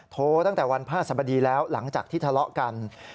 โทรตั้งแต่วันพระสบดีแล้วหลังจากที่ทะเลาะกัน